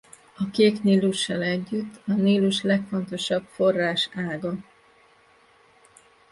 A Kék-Nílussal együtt a Nílus legfontosabb forrásága.